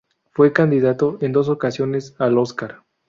Fue candidato en dos ocasiones al Óscar.